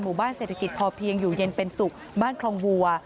บ้านเศรษฐกิจพอเพียงอยู่เย็นเป็นสุขบ้านคลองวัว